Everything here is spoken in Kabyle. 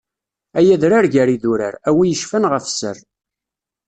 Ay adrar gar idurar, a wi yeccfan ɣef sser.